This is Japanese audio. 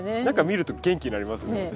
何か見ると元気になりますね